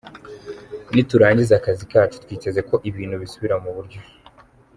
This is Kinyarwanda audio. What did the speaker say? Niturangiza akazi kacu twiteze ko ibintu bisubira mu buryo.